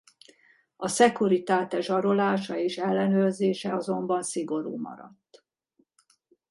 A Securitate zsarolása és ellenőrzése azonban szigorú maradt.